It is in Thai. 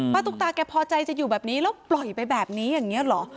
ตุ๊กตาแกพอใจจะอยู่แบบนี้แล้วปล่อยไปแบบนี้อย่างนี้เหรอ